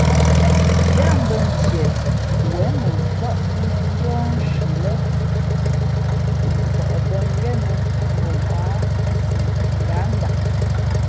Yáá mbᾱ ntieʼ wěn mαmfάʼ mᾱnjɔ́ nshi lά mfαʼ bᾱ ngénα mα wǎ si ngǎnga.